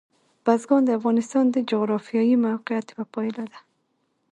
بزګان د افغانستان د جغرافیایي موقیعت یوه پایله ده.